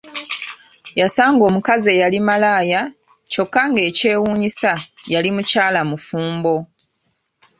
Yasanga omukazi eyali malaaya kyokka ng'ekyewuunyisa yali mukyala mufumbo!